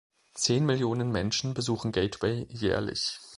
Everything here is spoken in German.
Zehn Millionen Menschen besuchen Gateway jährlich.